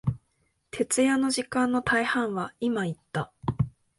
徹夜の時間の大半は、今言った、